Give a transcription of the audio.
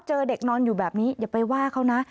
เจอเด็กนอนอยู่แบบนี้อย่าไปว่าเขานะ